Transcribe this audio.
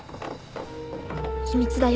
秘密だよ